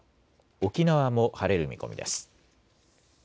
沖縄も晴れる見込みです。